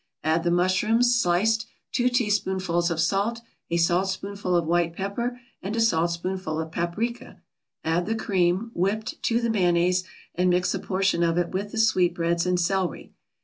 Add the mushrooms, sliced, two teaspoonfuls of salt, a saltspoonful of white pepper and a saltspoonful of paprika. Add the cream, whipped, to the mayonnaise, and mix a portion of it with the sweetbreads and celery.